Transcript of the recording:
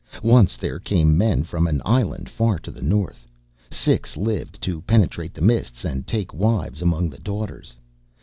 Once there came men from an island far to the north. Six lived to penetrate the mists and take wives among the Daughters.